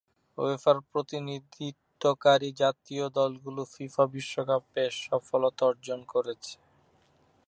উয়েফার প্রতিনিধিত্বকারী জাতীয় দলগুলো ফিফা বিশ্বকাপে সফলতা অর্জন করেছে।